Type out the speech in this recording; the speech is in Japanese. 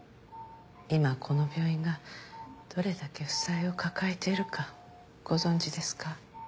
今この病院がどれだけ負債を抱えているかご存じですか？